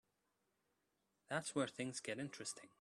That's where things get interesting.